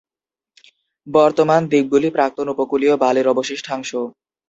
বর্তমান দ্বীপগুলি প্রাক্তন উপকূলীয় বালির অবশিষ্টাংশ।